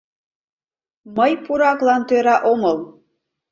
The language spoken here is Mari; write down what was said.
Мый пураклан тӧра омыл...